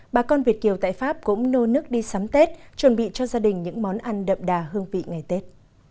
bà con việt kiều tại pháp cũng nô nước đi sắm tết chuẩn bị cho gia đình những món ăn đậm đà hương vị ngày tết